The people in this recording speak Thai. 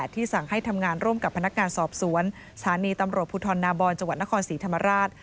ที่สั่งให้ทำงานร่วมกับพนักงานสอบสวนสถานีตำรวจภูทรนาบอนจังหวัดนครศรีธรรมราช